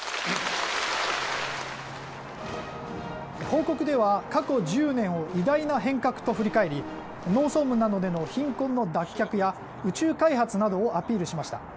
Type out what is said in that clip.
報告では過去１０年を偉大な変革と振り返り農村部などでの貧困の脱却や宇宙開発などをアピールしました。